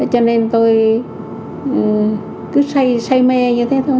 cho nên tôi cứ say mê như thế thôi